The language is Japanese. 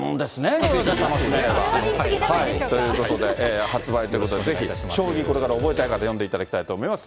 これだけ楽しめれば。ということで、発売ということでぜひ、将棋、これから覚えたい方、読んでいただきたいと思います。